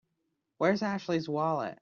Where's Ashley's wallet?